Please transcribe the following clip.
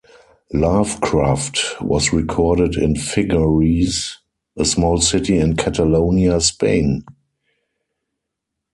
"Love Kraft" was recorded in Figueres, a small city in Catalonia, Spain.